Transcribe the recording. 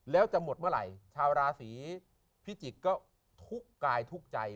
แล้วจะหมดเมื่อไหร่ชาวราศีพิจิกษ์ก็ทุกข์กายทุกข์ใจ